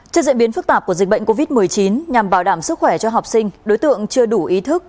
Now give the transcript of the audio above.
trước diễn biến phức tạp của dịch bệnh covid một mươi chín nhằm bảo đảm sức khỏe cho học sinh đối tượng chưa đủ ý thức